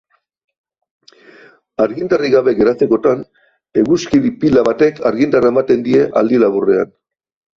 Argindarrik gabe geratzekotan, eguzki-pila batek argindarra ematen die aldi laburrean.